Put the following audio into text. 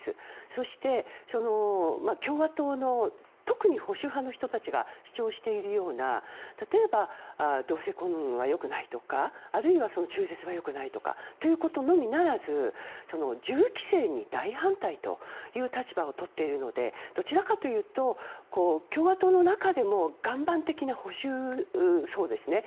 そして、共和党の特に保守派の人たちが主張しているような例えば、同性婚は良くないとかあるいは、中絶は良くないということのみならず銃規制に大反対という立場をとっているのでどちらかというと共和党の中でも岩盤的な保守層ですね